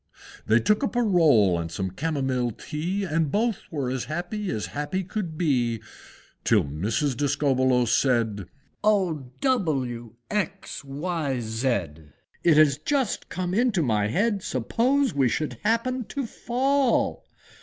They took up a roll and some Camomile tea, And both were as happy as happy could be, Till Mrs. Discobbolos said, "Oh! W! X! Y! Z! It has just come into my head, Suppose we should happen to fall!!!!!